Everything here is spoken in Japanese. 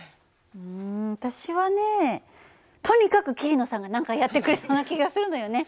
うん私はねとにかく桐野さんが何かやってくれそうな気がするのよね。